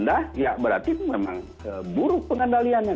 testingnya saat ini rendah ya berarti memang buruk pengendaliannya